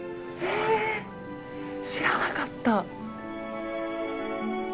え知らなかった。